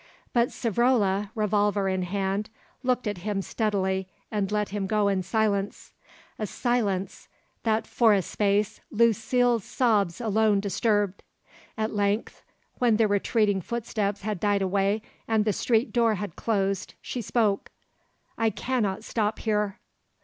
But Savrola, revolver in hand, looked at him steadily and let him go in silence, a silence that for a space Lucile's sobs alone disturbed. At length, when the retreating footsteps had died away and the street door had closed, she spoke. "I cannot stop here."